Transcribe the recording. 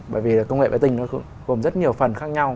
bởi vì là công nghệ vệ tinh nó cũng gồm rất nhiều phần khác nhau